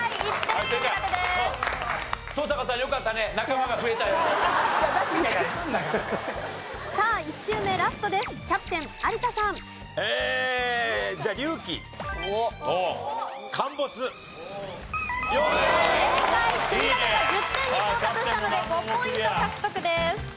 積み立てが１０点に到達したので５ポイント獲得です。